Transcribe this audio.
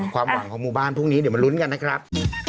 ความหวังของหมู่บ้านพรุ่งนี้เดี๋ยวมาลุ้นกันนะครับ